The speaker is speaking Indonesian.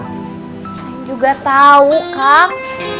neng juga tau kang